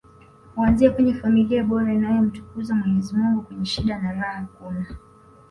huanzia kwenye familia bora inayomtukuza mwenyezi mungu kwenye shida na raha kuna